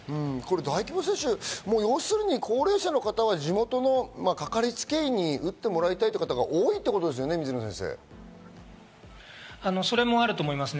大規模接種、高齢者の方は地元のかかりつけ医に打ってもらいたいという方が多いということでそれもあると思いますね。